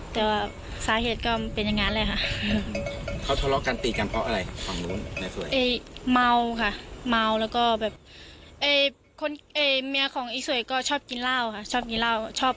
เมาค่ะเพราะคุณแม่ของซวยชอบกินร้าวเยองตะแหง